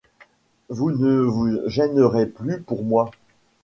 Vous ne vous gênerez plus pour moi.